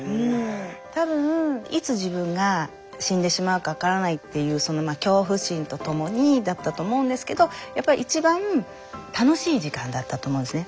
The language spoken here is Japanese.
多分いつ自分が死んでしまうか分からないっていう恐怖心とともにだったと思うんですけどやっぱり一番楽しい時間だったと思うんですね。